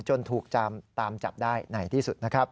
จนถูกตามจับได้ไหนที่สุด